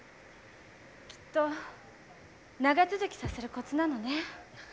きっと長続きさせるコツなのね。